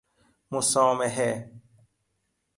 مسامحه